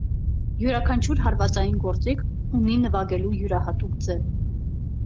Իւրաքանչիւր հարուածային գործիք ունի նուագելու իւրայատուկ ձեւ։